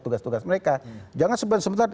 tugas tugas mereka jangan sebentar sebentar